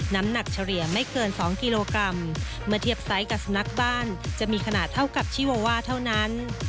น้ำหนักเฉลี่ยไม่เกิน๒กิโลกรัมเมื่อเทียบไซส์กับสุนัขบ้านจะมีขนาดเท่ากับชีโวว่าเท่านั้น